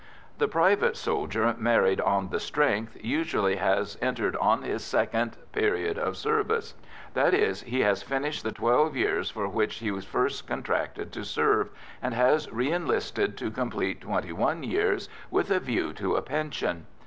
The private soldier married "on the strength" usually has entered on his second period of service that is, he has finished the twelve years for which he first contracted to serve, and has re enlisted to complete twenty one years with a view to a pension.